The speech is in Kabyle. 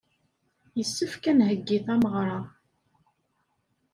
Yessefk ad nheggi tameɣra.